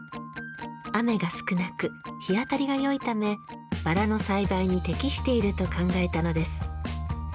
雨が少なく、日当たりがよいためバラの栽培に適していると考えたのです。